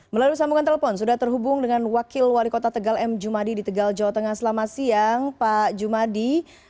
melalui sambungan telepon sudah terhubung dengan wakil wali kota tegal m jumadi di tegal jawa tengah selamat siang pak jumadi